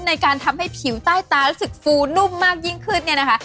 ในการทำให้ผิวใต้ตารู้สึกฟูนุ่มมากยิ่งขึ้นเนี่ยนะคะ